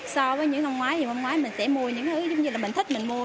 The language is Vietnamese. so với những năm ngoái những năm ngoái mình sẽ mua những thứ như là mình thích mình mua